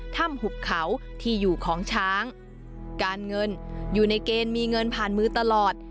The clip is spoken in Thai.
หุบเขาที่อยู่ของช้างการเงินอยู่ในเกณฑ์มีเงินผ่านมือตลอด